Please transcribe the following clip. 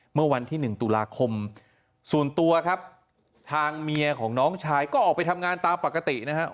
เมื่อวันที่๑ตุลาคมส่วนตัวครับทางเมียของน้องชายก็ออกไปทำงานตามปกตินะครับ